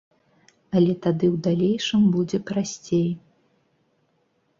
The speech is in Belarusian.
Але тады ў далейшым будзе прасцей.